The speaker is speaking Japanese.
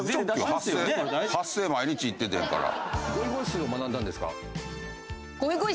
発声発声毎日行っててんから。